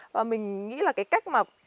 và mình nghĩ là cái cách mà